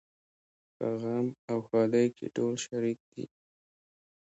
په غم او ښادۍ کې ټول شریک دي.